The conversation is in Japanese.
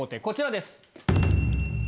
こちらです。